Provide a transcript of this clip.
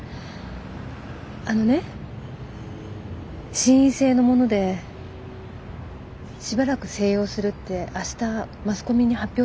あのね心因性のものでしばらく静養するって明日マスコミに発表することにしたの。